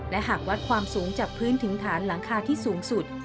และหากวัดความสูงจากพื้นถึงฐานหลังคาที่สูงสุด